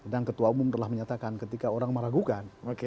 dan ketua umum telah menyatakan ketika orang meragukan